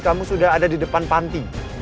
kamu sudah ada di depan panti